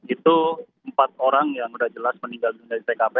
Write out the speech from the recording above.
itu empat orang yang sudah jelas meninggal dunia di tkp